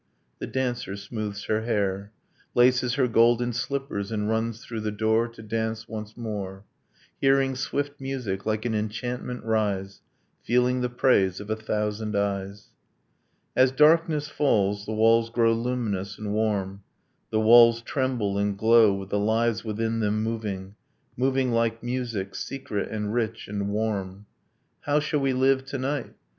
. The dancer smooths her hair, Laces her golden slippers, and runs through the door To dance once more, Hearing swift music like an enchantment rise, Feeling the praise of a thousand eyes. As darkness falls The walls grow luminous and warm, the walls Tremble and glow with the lives within them moving, Moving like music, secret and rich and warm. How shall we live tonight?